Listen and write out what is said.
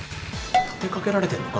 立てかけられてんのか？